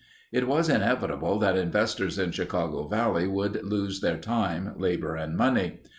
It was inevitable that investors in Chicago Valley would lose their time, labor, and money.